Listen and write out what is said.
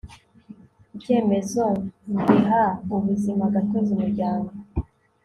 icyemezo n giha ubuzimagatozi umuryango